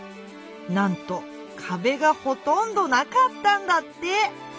なんとかべがほとんどなかったんだって！